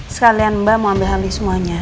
sekalian mbak mau ambil hal ini semuanya